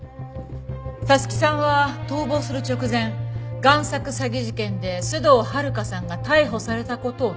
彩月さんは逃亡する直前贋作詐欺事件で須藤温香さんが逮捕された事を聞いているんです。